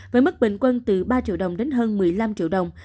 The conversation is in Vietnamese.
với mức bình quân từ ba triệu đồng đến hơn một mươi năm triệu đồng